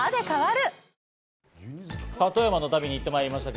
富山の旅に行ってまいりました。